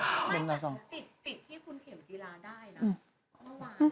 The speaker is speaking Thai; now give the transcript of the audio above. ก็มีคนทำไมติดที่คุณเข็มจีราได้นะ